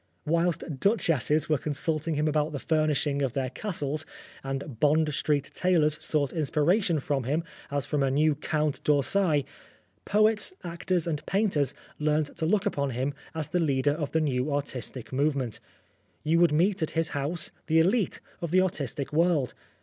Whilst duchesses were consulting him about the furnishing of their castles, and Bond Street tailors sought in spiration from him as from a new Count d'Orsay, poets, actors, and painters learnt to look upon him as the leader of the new artistic movement. You would meet at his house the tlite of the artistic world.